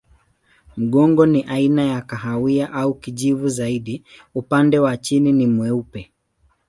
Mgongo ni aina ya kahawia au kijivu zaidi, upande wa chini ni mweupe.